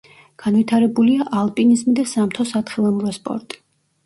განვითარებულია ალპინიზმი და სამთო-სათხილამურო სპორტი.